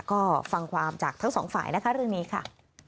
ก็ฟังความจากทั้งสองฝ่ายนะคะเรื่องนี้ค่ะ